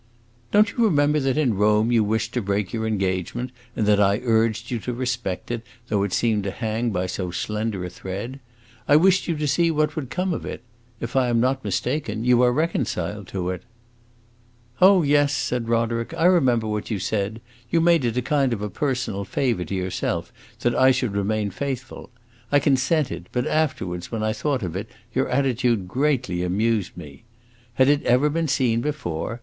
"Don't you remember that, in Rome, you wished to break your engagement, and that I urged you to respect it, though it seemed to hang by so slender a thread? I wished you to see what would come of it? If I am not mistaken, you are reconciled to it." "Oh yes," said Roderick, "I remember what you said; you made it a kind of personal favor to yourself that I should remain faithful. I consented, but afterwards, when I thought of it, your attitude greatly amused me. Had it ever been seen before?